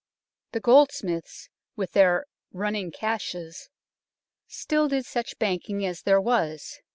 The goldsmiths, with their " running cashes," still did such banking as there was.